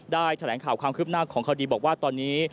แถลงข่าวความคืบหน้าของคดีบอกว่าตอนนี้